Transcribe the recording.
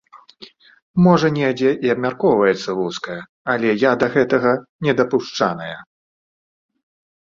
Можа, недзе і абмяркоўваецца вузка, але я да гэтага не дапушчаная.